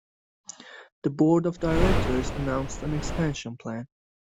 The board of directors announced an expansion plan.